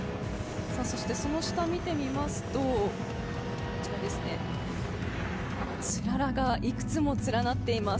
そして、その下見てみますと、つららがいくつも連なっています。